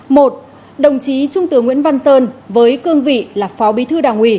một đồng chí trung tướng nguyễn văn sơn với cương vị là phó bí thư đảng ủy